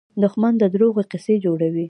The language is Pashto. دښمن د دروغو قصې جوړوي